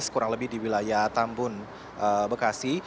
kurang lebih di wilayah tambun bekasi